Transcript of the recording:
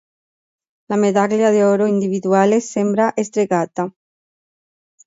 La medaglia d'oro individuale sembra stregata.